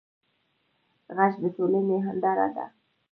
غږ د ټولنې هنداره ده